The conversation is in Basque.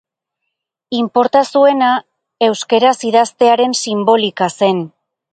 Inporta zuena euskaraz idaztearen sinbolika zen.